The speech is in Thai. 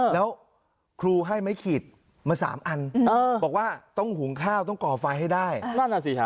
แล้วครูให้ไม้ขีดมา๓อันบอกว่าต้องหุงข้าวต้องก่อไฟให้ได้นั่นอ่ะสิฮะ